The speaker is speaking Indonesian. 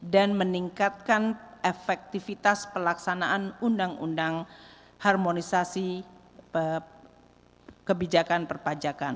dan meningkatkan efektivitas pelaksanaan undang undang harmonisasi kebijakan perpajakan